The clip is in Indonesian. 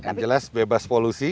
yang jelas bebas polusi